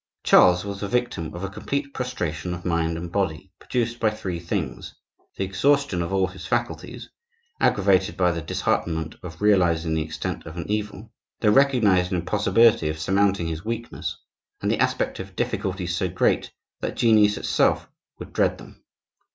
Charles was the victim of a complete prostration of mind and body, produced by three things,—the exhaustion of all his faculties, aggravated by the disheartenment of realizing the extent of an evil; the recognized impossibility of surmounting his weakness; and the aspect of difficulties so great that genius itself would dread them.